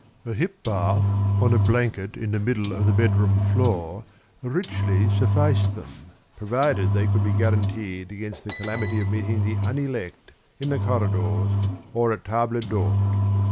A hip bath on a blanket in the middle of the bedroom floor richly sufficed them, provided they could be guaranteed against the calamity of meeting the unelect in the corridors or at table d'hôte.